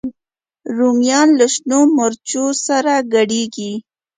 رومیان له شنو مرچو سره ګډېږي